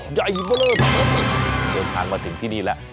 ใหญ่เบอร์เริ่มเดินทางมาถึงที่นี่แล้ว